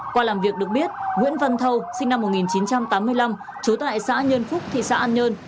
qua làm việc được biết nguyễn văn thâu sinh năm một nghìn chín trăm tám mươi năm trú tại xã nhân phúc thị xã an nhơn